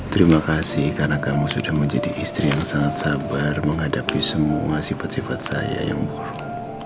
terima kasih karena kamu sudah menjadi istri yang sangat sabar menghadapi semua sifat sifat saya yang buruk